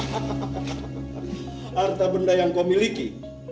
harta harta benda yang kau miliki